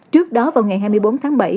trước đó vào ngày hai mươi bốn tháng bảy